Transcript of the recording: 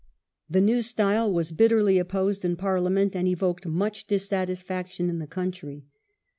The new style was bitterly opposed in Parliament, and evoked much dissatisfaction in the country.